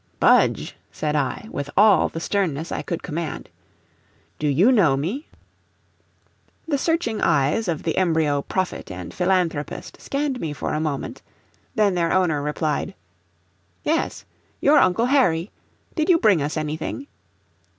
"Budge," said I, with all the sternness I could command, "do you know me?" The searching eyes of the embryo prophet and philanthropist scanned me for a moment, then their owner replied: "Yes; you're Uncle Harry. Did you bring us anything?"